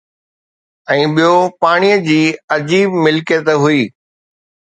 ۽ ٻيو پاڻي جي عجيب ملڪيت هئي